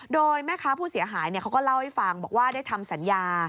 โดยแม่ค้าผู้เสียหายเขาก็เล่าให้ฟังบอกว่าได้ทำสัญญา